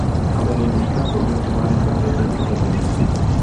Am înregistrat progrese în toate aceste domenii.